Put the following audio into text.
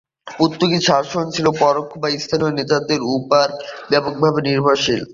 Portuguese শাসন ছিল পরোক্ষ এবং স্থানীয় নেতাদের ওপর ব্যাপকভাবে নির্ভরশীল।